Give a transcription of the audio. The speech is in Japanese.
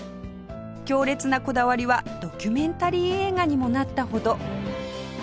強烈なこだわりはドキュメンタリー映画にもなったほど